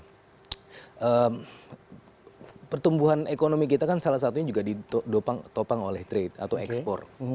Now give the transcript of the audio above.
nah pertumbuhan ekonomi kita kan salah satunya juga ditopang oleh trade atau ekspor